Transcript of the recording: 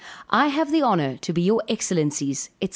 I have the honor to be your excellency's, &c.